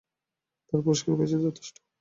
তাঁর পুরস্কারও পেয়েছে যথেষ্ট।